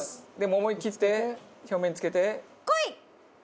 もう思い切って表面に付けて。